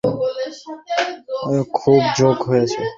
এখন কাগজখানা কোনরূপে বার করবার খুব ঝোঁক হয়েছে আমার।